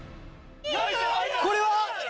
これは？